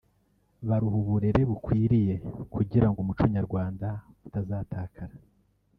baruha uburere bukwiriye kugirango Umuco Nyarwanda utazatakara